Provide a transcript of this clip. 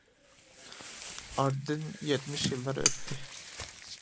ئارىدىن يەتمىش يىللار ئۆتتى .